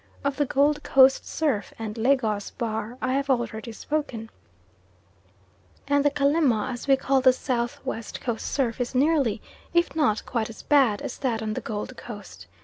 Of the Gold Coast surf, and Lagos bar I have already spoken, and the Calemma as we call the South west Coast surf is nearly, if not quite as bad as that on the Gold Coast.